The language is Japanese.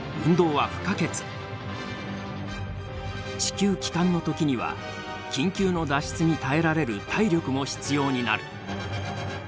地球帰還の時には緊急の脱出に耐えられる体力も必要になる。